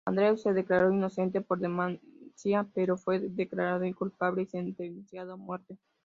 Andrews se declaró inocente por demencia, pero fue declarado culpable y sentenciado a muerte.